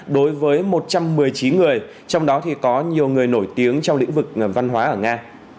đối với một trăm một mươi chín người trong đó thì có nhiều người nổi tiếng trong lĩnh vực văn hóa ở nga